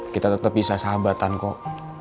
kita tetap bisa sahabatan kok